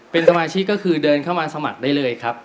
เป็นสมาชิกก็คือเดินเข้ามาสมัครได้เลยครับ